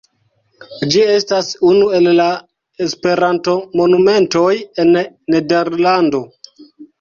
Ĝi estas unu el la Esperantomonumentoj en Nederlando.